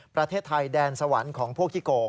ประเทศไทยแดนสวรรค์ของพวกขี้โกง